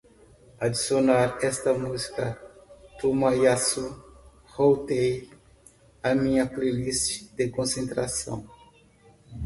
Adicionar esta música tomoyasu hotei à minha playlist de concentração